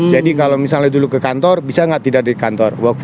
jadi kalau misalnya dulu ke kantor bisa nggak tidak di kantor